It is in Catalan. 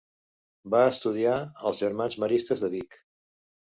Va estudiar als Germans Maristes de Vic.